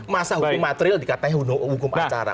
masa hukum material dikatakan hukum acara